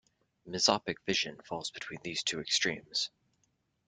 Mesopic vision falls between these two extremes.